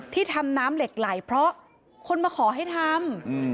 ที่ทำน้ำเหล็กไหลเพราะคนมาขอให้ทำ